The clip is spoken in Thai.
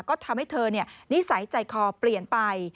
ก็ทำให้เธอนิสัยใจคอเปลี่ยนไป